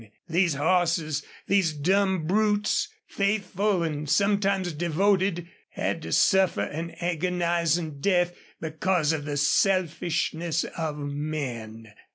These horses these dumb brutes faithful and sometimes devoted, had to suffer an agonizing death because of the selfishness of men.